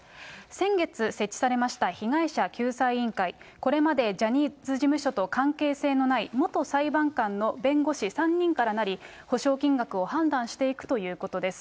先月設置されました被害者救済委員会、これまでジャニーズ事務所と関係性のない元裁判官の弁護士３人からなり、補償金額を判断していくということです。